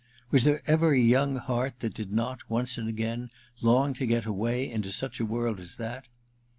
Was there ever a young heart that did not, once and again, long to get away into such a world as that?